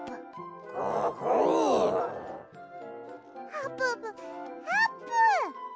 あぷぷあーぷん！